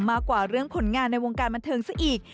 มากกว่าเรื่องผลงานในวงการบันเทิงซะอีก